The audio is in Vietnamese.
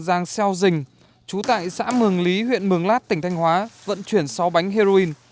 giang seo dình chú tại xã mường lý huyện mường lát tỉnh thanh hóa vận chuyển sáu bánh heroin